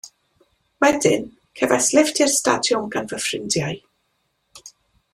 Wedyn, cefais lifft i'r stadiwm gan fy ffrindiau.